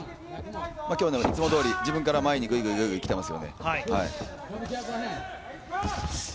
今日、いつもどおり自分から前にぐいぐい来ていますよね。